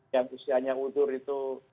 yang usianya udhur itu